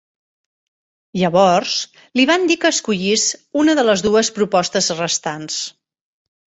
Llavors li van dir que escollís una de les dues propostes restants.